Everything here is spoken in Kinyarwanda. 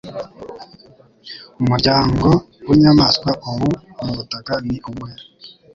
Umuryango winyamanswa ubu mubutaka ni uwuhe.